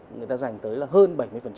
người ta giành tới là hơn bảy mươi